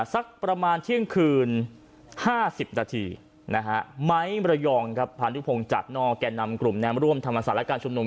สักประมาณเที่ยงคืน๕๐นาทีนะฮะไม้มรยองครับพานุพงศ์จัดนอกแก่นำกลุ่มแนมร่วมธรรมศาสตร์และการชุมนุม